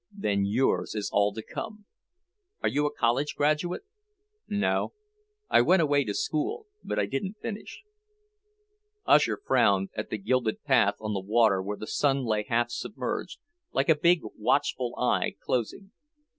"Then yours is all to come. Are you a college graduate?" "No. I went away to school, but I didn't finish." Usher frowned at the gilded path on the water where the sun lay half submerged, like a big, watchful eye, closing.